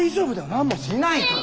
何もしないから！